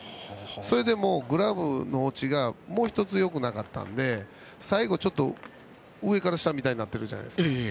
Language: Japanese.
それで、グラブの落ちがもうひとつよくなかったので最後、ちょっと上から下みたいになってるじゃないですか。